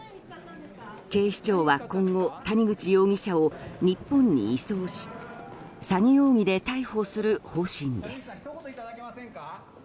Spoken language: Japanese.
警視庁は今後谷口容疑者を日本に移送し詐欺容疑で逮捕する方針です。